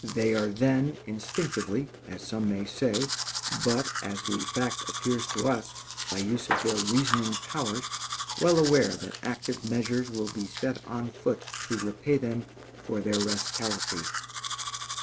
They are then, instinctively, as some may say, but, as the fact appears to us, by use of their reasoning powers, well aware that active measures will be set on foot to repay them for their rascality.